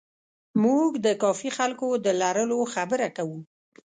موږ د کافي خلکو د لرلو خبره کوو.